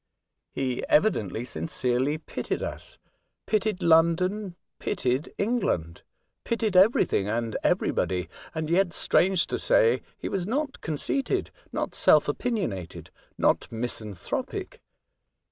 He evidently sincerely pitied us, pitied London, pitied England, pitied everything and every body, and yet, strange to say, he was not conceited, not self opinionated, not misan 24 A Voyage to Other Worlds, tliropic.